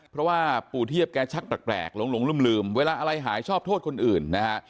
เพราะว่าปู่เทียบแกชักแปลกหลงลืมเวลาอะไรหายชอบโทษคนอื่นนะฮะ